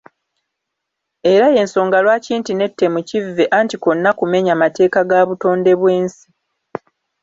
Era y’ensonga lwaki nti n’ettemu kivve anti kwonna kumenya mateeka ga butonde bw’ensi.